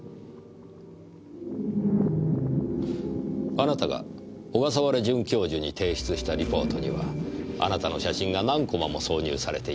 あなたが小笠原准教授に提出したリポートにはあなたの写真が何コマも挿入されていました。